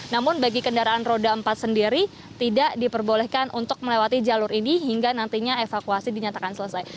namun bagi kendaraan roda empat sendiri tidak diperbolehkan untuk melewati jalur ini hingga nantinya evakuasi dinyatakan selesai